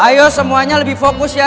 ayo semuanya lebih fokus ya